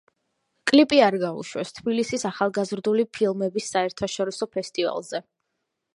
კლიპი არ გაუშვეს თბილისის ახალგაზრდული ფილმების საერთაშორისო ფესტივალზე.